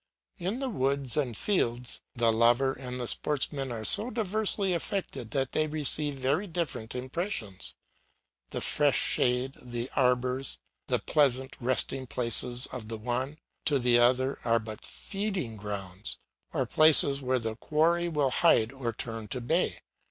In the woods and fields, the lover and the sportsman are so diversely affected that they receive very different impressions. The fresh shade, the arbours, the pleasant resting places of the one, to the other are but feeding grounds, or places where the quarry will hide or turn to bay.